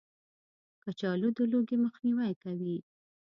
کچالو د لوږې مخنیوی کوي